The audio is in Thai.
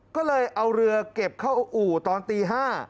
ก็เลยเอาเรือเก็บเข้าอู่ตอนตี๕